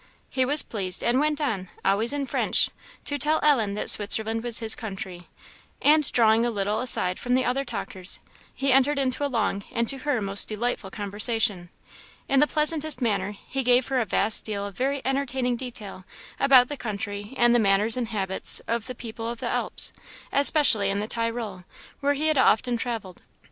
He was pleased, and went on, always in French, to tell Ellen that Switzerland was his country; and drawing a little aside from the other talkers, he entered into a long, and to her most delightful conversation. In the pleasantest manner he gave her a vast deal of very entertaining detail about the country, and the manners and habits of the people of the Alps, especially in the Tyrol, where he had often travelled.